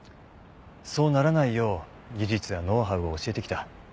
そうならないよう技術やノウハウを教えてきた。